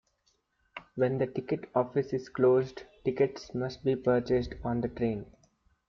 When the ticket office is closed, tickets must be purchased on the train.